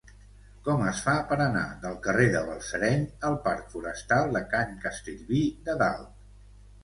Com es fa per anar del carrer de Balsareny al parc Forestal de Can Castellví de Dalt?